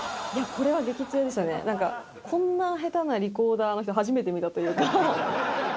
これは激つよでしたね、なんか、こんな下手なリコーダーな人、初めて見たというか。